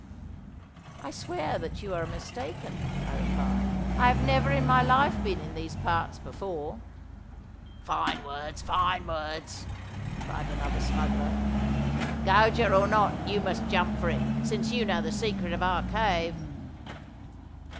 'I swear that you are mistaken,' I replied. 'I have never in my life been in these parts before.' 'Fine words! Fine words!' cried another smuggler. 'Gauger or no, you must jump for it, since you know the secret of our cave.